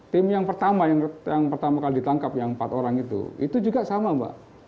tim yang pertama yang pertama kali ditangkap yang empat orang itu itu juga sama mbak